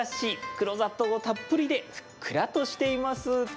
黒砂糖たっぷりでふっくらとしています。